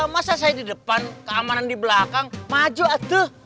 masa saya di depan keamanan di belakang maju atau